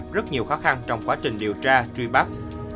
công an gặp rất nhiều khó khăn trong quá trình điều tra truy bắt